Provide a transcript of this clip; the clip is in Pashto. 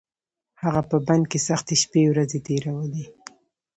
هغه په بند کې سختې شپې ورځې تېرولې.